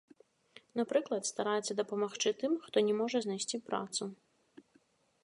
Напрыклад, стараецца дапамагчы тым, хто не можа знайсці працу.